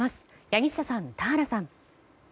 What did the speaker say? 柳下さん、田原さん。